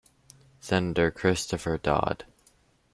Senator Christopher Dodd.